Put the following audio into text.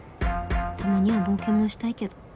たまには冒険もしたいけど